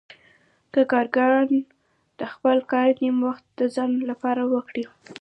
که کارګران د خپل کار نیم وخت د ځان لپاره وکړي